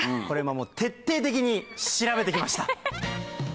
これはもう徹底的に調べて来ました！